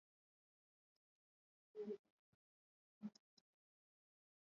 Liliana Pechenè kiongozi wa Asili aliliambia gazeti la El Tiempo